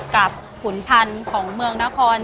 ขุนพันธุ์ของเมืองนคร